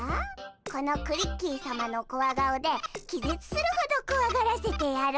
このクリッキーさまのコワ顔で気絶するほどこわがらせてやるぞ！